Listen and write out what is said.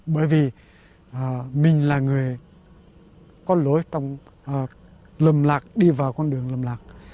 bởi vì mình là người có lối trong lầm lạc đi vào con đường lầm lạc